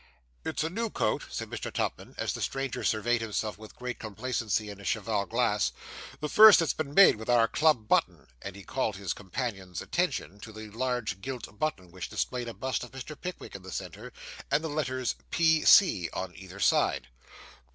'It's a new coat,' said Mr. Tupman, as the stranger surveyed himself with great complacency in a cheval glass; 'the first that's been made with our club button,' and he called his companions' attention to the large gilt button which displayed a bust of Mr. Pickwick in the centre, and the letters 'P. C.' on either side.